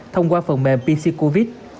thông qua phần mềm pc covid